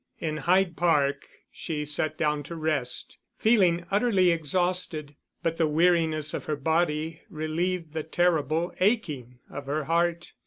In Hyde Park she sat down to rest, feeling utterly exhausted; but the weariness of her body relieved the terrible aching of her heart.